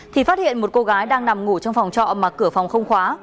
thì phát hiện một cô gái đang nằm ngủ trong phòng trọ mà cửa phòng không khóa